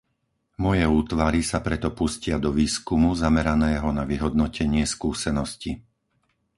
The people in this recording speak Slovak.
Moje útvary sa preto pustia do výskumu zameraného na vyhodnotenie skúsenosti.